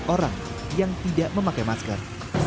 lima belas orang yang tidak memakai masker